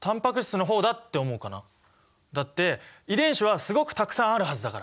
だって遺伝子はすごくたくさんあるはずだから。